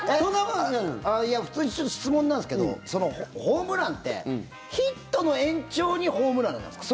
いや、普通に質問なんですけどホームランってヒットの延長にホームランなんですか？